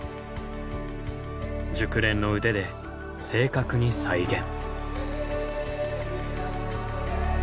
熟練の腕で正確に再現。